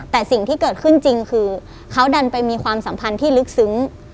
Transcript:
แต่สิ่งที่เกิดขึ้นจริงคือเขาดันไปมีความสัมพันธ์ที่ลึกซึ้ง